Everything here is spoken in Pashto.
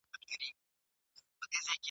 ته تر څه تورو تیارو پوري یې تللی !.